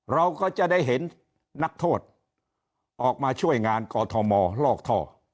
เราก็จะได้เห็นนักโทษออกมาช่วยงานกอทมลอกท่อ